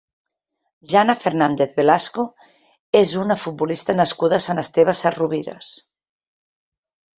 Jana Fernández Velasco és una futbolista nascuda a Sant Esteve Sesrovires.